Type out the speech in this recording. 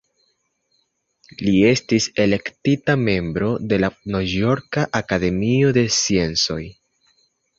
Li estis elektita membro de la Novjorka Akademio de Sciencoj.